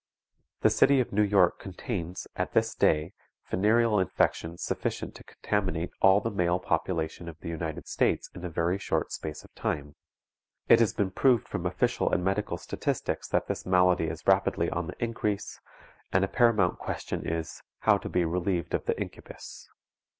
The city of New York contains, at this day, venereal infection sufficient to contaminate all the male population of the United States in a very short space of time. It has been proved from official and medical statistics that this malady is rapidly on the increase, and a paramount question is, how to be relieved of the incubus.